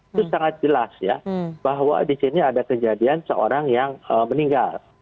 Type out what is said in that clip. itu sangat jelas ya bahwa di sini ada kejadian seorang yang meninggal